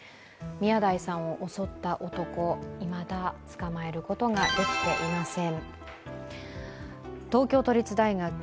宮台さんを襲った男、いまだ捕まえることができていません。